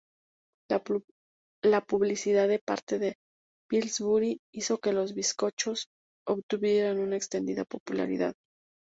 La publicidad de parte de Pillsbury hizo que los bizcochos obtuvieran una extendida popularidad.